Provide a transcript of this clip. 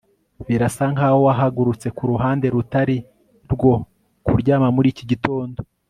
Birasa nkaho wahagurutse kuruhande rutari rwo kuryama muri iki gitondo